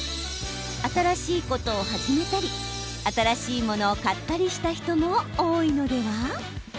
新しいことを始めたり新しいものを買ったりした人も多いのでは？